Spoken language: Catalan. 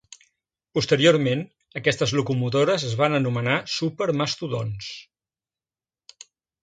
Posteriorment, aquestes locomotores es van anomenar "supermastodonts".